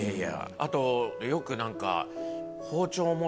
あとよくなんか。